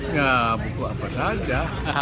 ya buku apa saja